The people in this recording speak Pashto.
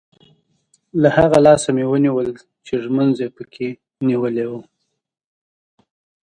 له هغه لاسه مې ونیول چې ږومنځ یې په کې نیولی وو.